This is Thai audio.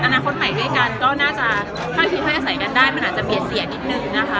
อนาคตใหม่ด้วยกันก็น่าจะค่อยคิดให้อาศัยกันได้มันอาจจะเบียดเสียนิดนึงนะคะ